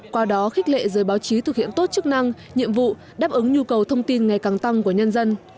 qua đó khích lệ giới báo chí thực hiện tốt chức năng nhiệm vụ đáp ứng nhu cầu thông tin ngày càng tăng của nhân dân